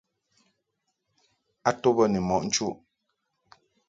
A to bə ni mɔʼ nchuʼ.